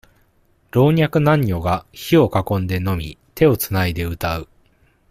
老若男女が、火を囲んで飲み、手をつないで歌う。